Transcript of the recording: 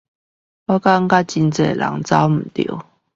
我覺得很多人跑錯了